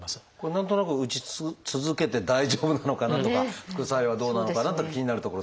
何となく打ち続けて大丈夫なのかなとか副作用はどうなのかなと気になるところですが。